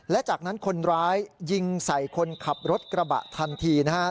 และจากนั้นคนร้ายยิงใส่คนขับรถกระบะทันทีนะครับ